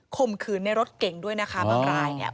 คมคืนในรถเก่งด้วยนะคะบั้งลาย